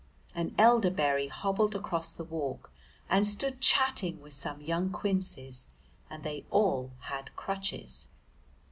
An elderberry hobbled across the walk, and stood chatting with some young quinces, and they all had crutches.